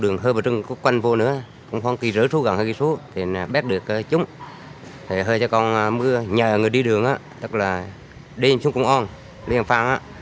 người đi đường tức là đem chung công an liên phạm